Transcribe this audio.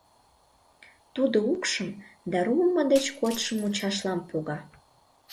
Тудо укшым да руымо деч кодшо мучашлам пога.